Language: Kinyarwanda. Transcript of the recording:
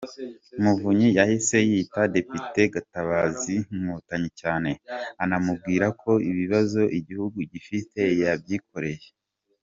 Muvunyi yahise yita Depite Gatabazi ‘Inkotanyi cyane’, anamubwira ko ibibazo igihugu gifite yabyikoreye.